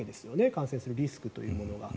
感染するリスクというのは。